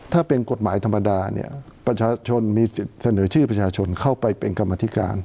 ถ้าเป็นกฎหมายธรรมดาเนี่ยประชาชนมีสิทธิ์เสนอชื่อประชาชนเข้าไปเป็นกรรมธิการ